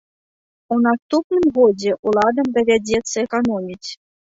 У наступным годзе уладам давядзецца эканоміць.